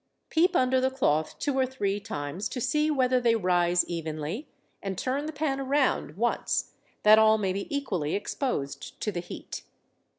Peep under the cloth two or three times to see whether they rise evenly, and turn the pan around once that all may be equally exposed to the heat.